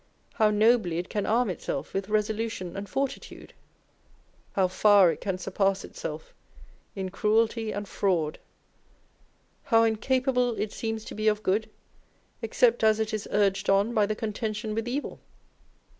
How nobly it can arm itself with resolution and fortitude ! How far it can surpass itself in cruelty and fraud ! How incapable it seems to be of good, except as it is urged on by the contention witli evil!